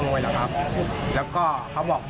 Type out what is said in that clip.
แล้วก็เค้าบอกว่าคุณพ่อไม่ตอบต้นคุณพ่อไม่พูดอะไรก็ทำเลยครับ